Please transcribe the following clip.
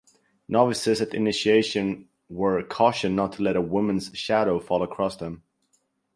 Novices at initiation were cautioned not to let a woman's shadow fall across them.